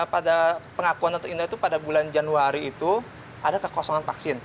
pada pengakuan dokter indra itu pada bulan januari itu ada kekosongan vaksin